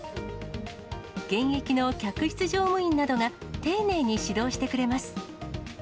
現役の客室乗務員などが、丁寧に指導してくれます。